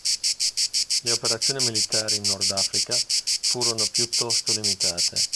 Le operazioni militari in Nordafrica furono piuttosto limitate.